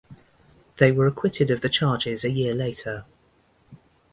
They were acquitted of the charges a year later.